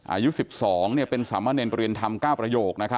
อายุ๑๒เป็นสามะเนรประเรียนธรรม๙ประโยค